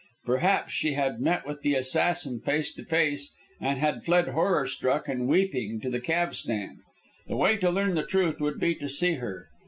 Perhaps she had met with the assassin face to face, and had fled horror struck and weeping to the cab stand. The way to learn the truth would be to see her.